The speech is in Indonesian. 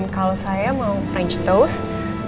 kalau saya mau franch toast